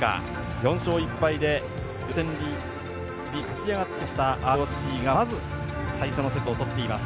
４勝１敗で予選リーグを勝ち上がってきたＲＯＣが、まず最初のセット取っています。